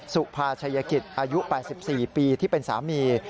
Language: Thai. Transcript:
สุภาชัยกิจอายุ๘๔ปีที่เป็นสามี